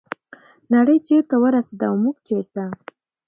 نړۍ چیرته ورسیده او موږ چیرته؟